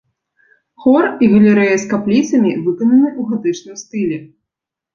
Хор і галерэя з капліцамі выкананы ў гатычным стылі.